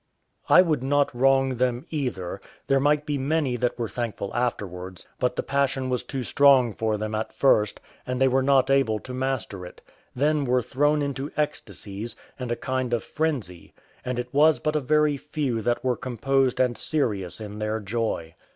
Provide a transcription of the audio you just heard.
I would not wrong them either; there might be many that were thankful afterwards; but the passion was too strong for them at first, and they were not able to master it: then were thrown into ecstasies, and a kind of frenzy, and it was but a very few that were composed and serious in their joy.